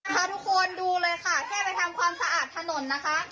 พาทุกคนดูเลยค่ะแค่ไปทำความสะอาดถนนนะคะ